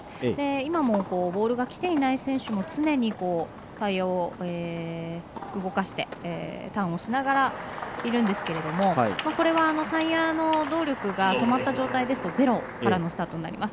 今もボールがきていない選手も常にタイヤを動かしてターンをしながらいるんですがこれはタイヤの動力が止まった状態ですとゼロからのスタートになります。